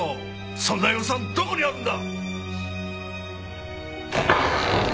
そんな予算どこにあるんだ！